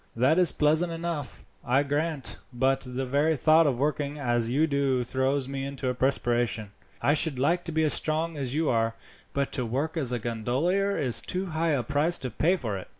That is pleasant enough, I grant; but the very thought of working as you do throws me into a perspiration. I should like to be as strong as you are, but to work as a gondolier is too high a price to pay for it."